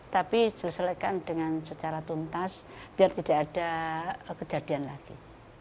tapi selesaikan dengan secara tuntas biar tidak ada kejadian lagi